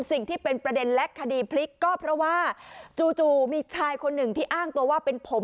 สิ่งที่เป็นประเด็นและคดีพลิกก็เพราะว่าจู่มีชายคนหนึ่งที่อ้างตัวว่าเป็นผม